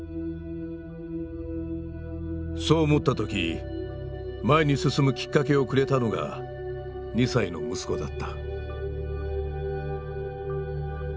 そう思った時前に進むきっかけをくれたのが２歳の息子だった。